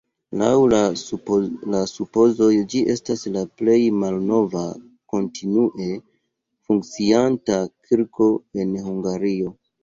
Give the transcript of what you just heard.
Laŭ la supozoj ĝi estas la plej malnova kontinue funkcianta kirko en Hungario.